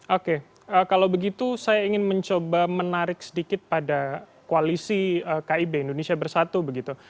oke kalau begitu saya ingin mencoba menarik sedikit pada koalisi kib indonesia bersatu begitu